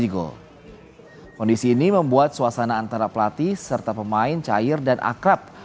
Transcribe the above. kondisi ini membuat suasana antara pelatih serta pemain cair dan akrab